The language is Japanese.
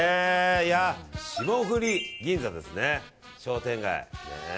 霜降銀座ですね、商店街。